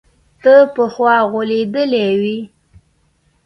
ته پخوا غولېدلى وي.